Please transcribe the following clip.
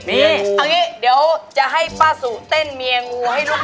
เอาอย่างนี้เดี๋ยวจะให้ป้าสูต์เต้นเมียงูให้ลูก